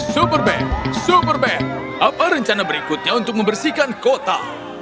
super band super band apa rencana berikutnya untuk membersihkan kota